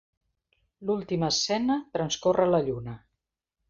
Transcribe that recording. L'última escena transcorre a la Lluna.